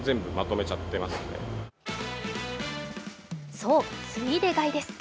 そう、ついで買いです。